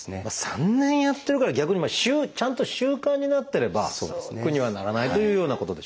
３年やってるから逆にちゃんと習慣になってれば苦にはならないというようなことでしょうかね。